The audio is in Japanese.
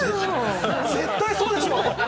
絶対そうでしょ！